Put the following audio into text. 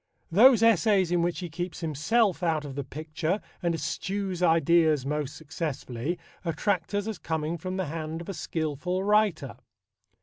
Those essays in which he keeps himself out of the picture and eschews ideas most successfully attract us as coming from the hand of a skilful writer.